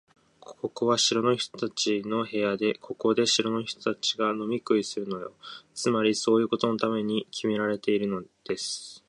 ここは城の人たちの部屋で、ここで城の人たちが飲み食いするのよ。つまり、そういうことのためにきめられているんです。